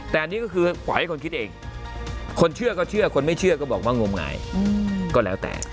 แต่อันนี้ก็คือปล่อยให้คนคิดเองคนเชื่อก็เชื่อคนไม่เชื่อก็บอกว่างมงายก็แล้วแต่